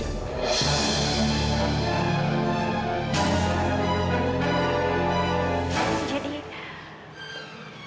atau memang sebenarnya kamu itu dokter panji yang pura pura menjadi baja hanya untuk mendekati aida